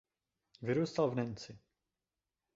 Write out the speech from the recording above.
Vyrůstal v Nancy.